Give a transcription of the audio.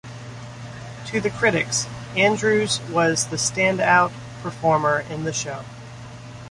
To the critics, Andrews was the stand-out performer in the show.